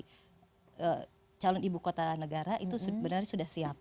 calon ibu kota negara itu sebenarnya sudah siap